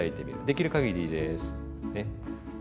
できるかぎりでいいですね。